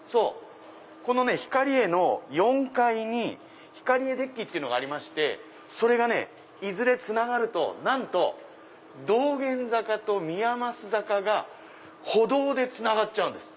このヒカリエの４階にヒカリエデッキがありましてそれがねいずれつながるとなんと道玄坂と宮益坂が歩道でつながっちゃうんです。